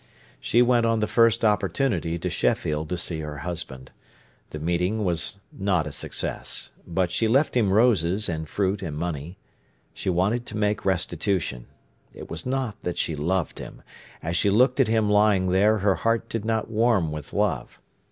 She went on the first opportunity to Sheffield to see her husband. The meeting was not a success. But she left him roses and fruit and money. She wanted to make restitution. It was not that she loved him. As she looked at him lying there her heart did not warm with love.